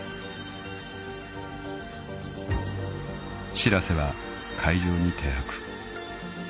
［しらせは海上に停泊］